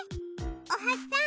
おはしさん